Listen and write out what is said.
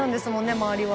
周りは。